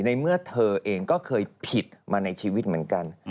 ในเมื่อเธอเองก็เคยผิดมาในชีวิตเหมือนกัน